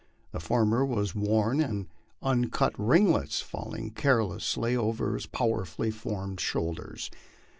The former was worn in uncut ringlets falling carelessly over his powerfully formed shoulders.